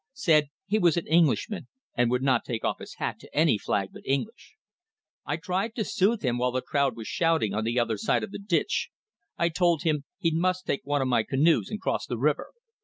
Said he was an Englishman, and would not take off his hat to any flag but English. I tried to soothe him while the crowd was shouting on the other side of the ditch. I told him he must take one of my canoes and cross the river.